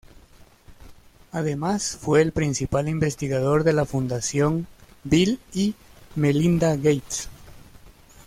Además fue el principal investigador de la Fundación Bill y Melinda Gates.